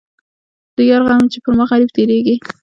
د یار غمه چې پر ما غريب تېرېږي.